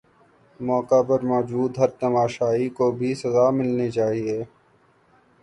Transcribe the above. موقع پر موجود ہر تماشائی کو بھی سزا ملنی چاہیے